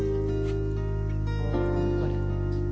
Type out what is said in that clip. これ。